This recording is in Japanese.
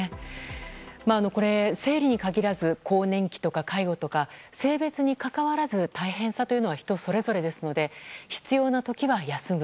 生理に限らず更年期とか介護とか性別にかかわらず大変さというのは人それぞれですので必要な時は休む。